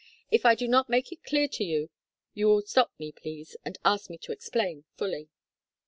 If I do not make it clear to you, you will stop me, please, and ask me to explain fully."